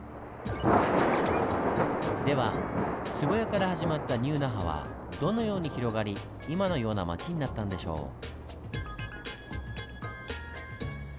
では壺屋から始まったニュー那覇はどのように広がり今のような街になったんでしょう？